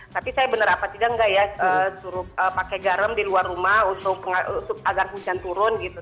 tapi saya benar apa tidak enggak ya suruh pakai garam di luar rumah agar hujan turun gitu